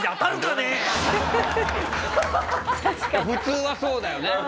普通はそうだよね。